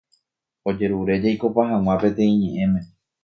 Ojerure jaikopa hag̃ua peteĩ ñe'ẽme